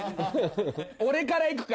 俺から行くか？